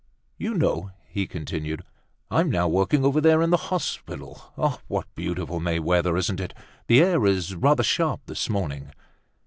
"You know," he continued, "I'm now working over there in the hospital. What beautiful May weather, isn't it? The air is rather sharp this morning."